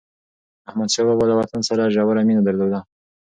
احمدشاه بابا له وطن سره ژوره مینه درلوده.